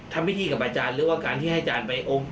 ทำพิธีกับอาจารย์หรือว่าการที่ให้อาจารย์ไปองค์